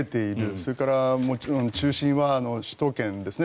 それからもちろん中心は首都圏ですね